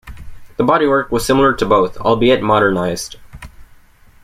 The bodywork was similar to both, albeit modernised.